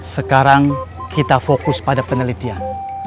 sekarang kita fokus pada penelitian